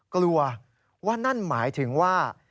กลัวว่านั่นหมายถึงว่า